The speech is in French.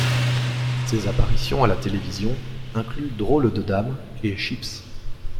Ses apparitions à la télévision incluent Drôles de dames et Chips.